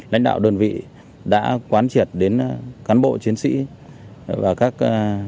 lãnh đạo đơn vị đã quán triệt đến cán bộ chiến sĩ và các